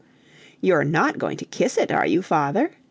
"You are not going to kiss it, are you, father?"